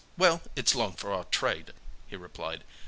"Well, it's long for our trade," he replied.